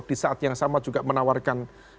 di saat yang sama juga menawarkan